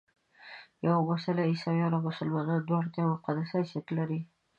یوه مسله عیسویانو او مسلمانانو دواړو ته یو مقدس حیثیت لري.